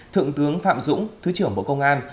thượng tướng phạm dũng thứ trưởng bộ công an